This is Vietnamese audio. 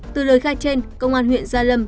từ lời khai trên công an huyện gia lâm